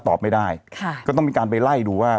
ตอบไม่ได้ค่ะ